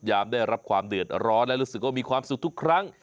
ได้รับความเดือดร้อนและรู้สึกว่ามีความสุขทุกครั้ง